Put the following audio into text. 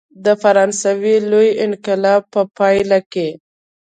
د فرانسې لوی انقلاب په پایله کې.